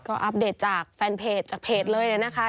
ก็อัปเดตจากแฟนเพจจากเพจเลยนะคะ